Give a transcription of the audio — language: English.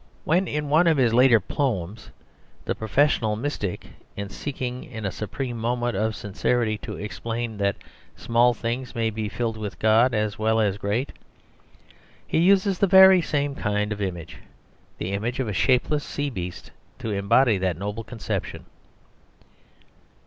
When, in one of his later poems, the professional mystic is seeking in a supreme moment of sincerity to explain that small things may be filled with God as well as great, he uses the very same kind of image, the image of a shapeless sea beast, to embody that noble conception.